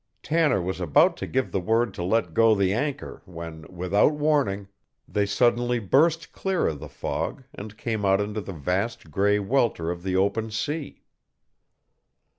Tanner was about to give the word to let go the anchor when, without warning, they suddenly burst clear of the fog and came out into the vast gray welter of the open sea.